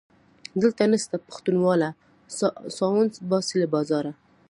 دلته نسته پښتونواله - ساوڼ باسي له بازاره